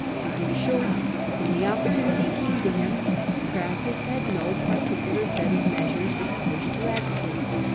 In short, when the opportunity came to him, Crassus had no par ticular set of measures that he wished to advocate.